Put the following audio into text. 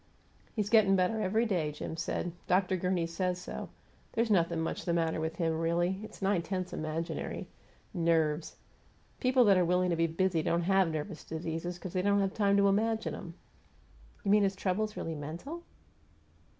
"He's gettin' better every day," Jim said. "Dr. Gurney says so. There's nothing much the matter with him, really it's nine tenths imaginary. 'Nerves'! People that are willing to be busy don't have nervous diseases, because they don't have time to imagine 'em." "You mean his trouble is really mental?"